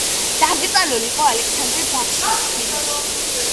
დაკრძალული იყო ალექსანდრეს ბაღში, თბილისში.